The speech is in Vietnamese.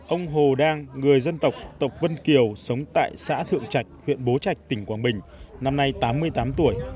ông hồ đang người dân tộc tộc vân kiều sống tại xã thượng trạch huyện bố trạch tỉnh quảng bình năm nay tám mươi tám tuổi